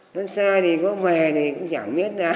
nó xa thì có mẹ thì cũng chẳng biết